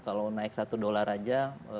kalau naik satu dolar aja